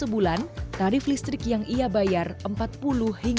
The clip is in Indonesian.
pembangkit listrik yang dihasilkan oleh pemerintah pun terbantu